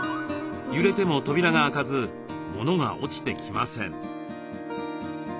揺れても扉が開かずものが落ちてきません。